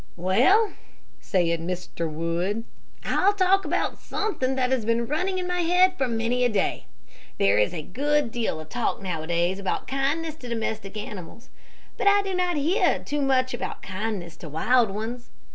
"Well," said Mr. Wood, "I'll talk about something that has been running in my head for many a day. There is a good deal of talk nowadays about kindness to domestic animals; but I do not hear much about kindness to wild ones.